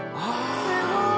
すごい！